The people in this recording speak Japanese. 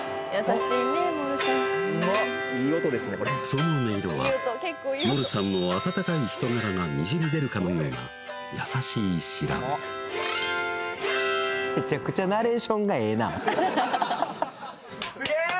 その音色はモルさんの温かい人柄がにじみ出るかのような優しい調べすげえ！